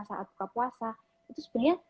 saat buka puasa itu sebenarnya